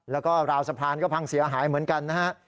แล้วก็ราวสะพานก็พังเสียหายเหมือนกันนะฮะ